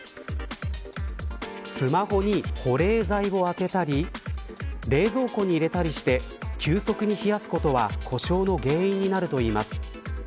スマホに保冷剤を当てたり冷蔵庫に入れたりして急速に冷やすことは故障の原因になるといいます。